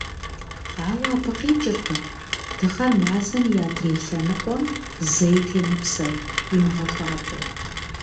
Ауэ абы къикӏыркъым Дыгъэр Мазэм и адрей лъэныкъуэм зэи темыпсэу, имыгъэхуабэу.